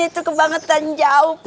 itu kebangetan jauh